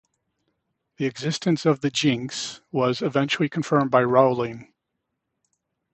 The existence of the jinx was eventually confirmed by Rowling.